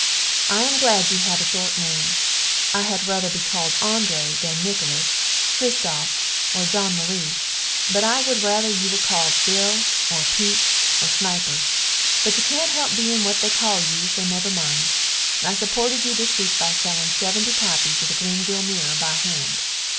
I am glad you have a short name, I had ruther be cald André than Nickulus, Cristuff or Jean Marie, but I wood ruther you were cald Bill or Pete or Sniper, but you cant help being what they call you so never mind. I suported you this weak by selling 70 copies of the Greenville Mirror by hand.